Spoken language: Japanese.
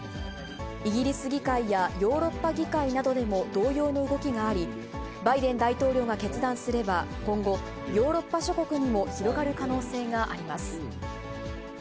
イギリス議会やヨーロッパ議会などでも同様の動きがあり、バイデン大統領が決断すれば、今後、ヨーロッパ諸国にも広がる可能性があります。